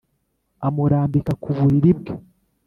amurambika ku buriri bwe